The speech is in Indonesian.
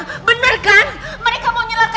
apa dari dia kayak paksa rose